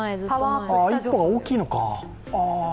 ああ、１歩が大きいのか。